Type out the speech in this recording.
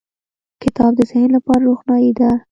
• کتاب د ذهن لپاره روښنایي ده.